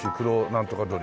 なんとか鶏。